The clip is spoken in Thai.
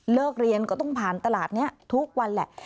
เรียนก็ต้องผ่านตลาดนี้ทุกวันแหละ